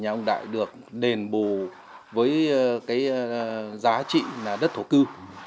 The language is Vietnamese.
nhà ông đại được đền bù với cái giá trị là đất thổ cư